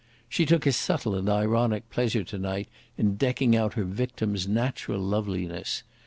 She took a subtle and ironic pleasure to night in decking out her victim's natural loveliness.